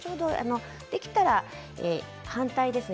できたら反対ですね